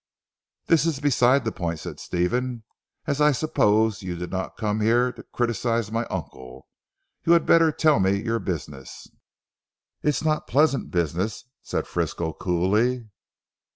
"This is beside the point," said Stephen, "as I suppose you did not not come here to criticise my uncle, you had better tell me your business." "It's not pleasant business," said Frisco coolly.